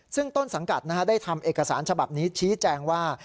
ซึ่งต้นสังกัดได้ทำเอกสารฉบับนี้ชี้แจงว่า